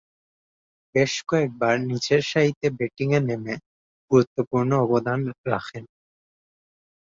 বেশ কয়েকবার নিচেরসারিতে ব্যাটিংয়ে নেমে গুরুত্বপূর্ণ অবদান রাখেন।